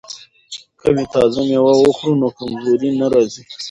که تازه میوه وخورو نو کمزوري نه راځي.